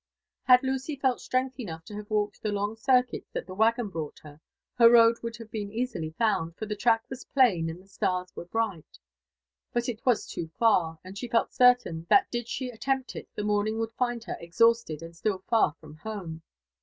Had Lucy felt strength enough to have walked the long circuit that the waggon brought her, her road would have been easily found, for the track was plain and the stars were bright; but it was too far, and she felt certain that did she attempt it» the morning would find her exhausted and still tar from home.